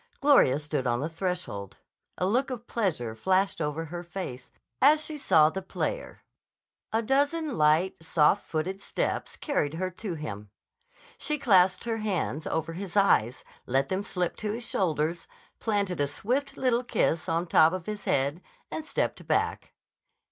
Gloria stood on the threshold. A look of pleasure flashed over her face as she saw the player. A dozen light, soft footed steps carried her to him. She clasped her hands over his eyes, let them slip to his shoulders, planted a swift, little kiss on the top of his head, and stepped back.